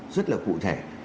rất là cụ thể